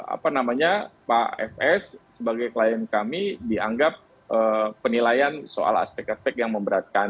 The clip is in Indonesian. apa namanya pak fs sebagai klien kami dianggap penilaian soal aspek aspek yang memberatkan